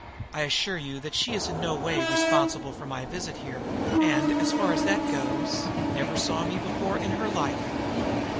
I assure you that she is in no way responsible for my visit here, and, as far as that goes, never saw me before in her life.